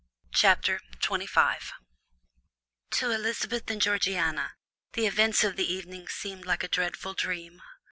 Chapter XXV To Elizabeth and Georgiana, the events of the evening seemed like a dreadful dream.